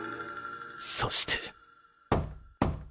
そして。